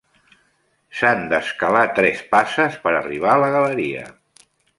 S'han d'escalar tres passes per arribar a la galeria.